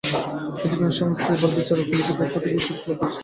তিনটি বিমান সংস্থা এবার বিচারক কমিটির পক্ষ থেকে বিশেষ পুরস্কার লাভ করেছে।